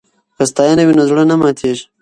که ستاینه وي نو زړه نه ماتیږي.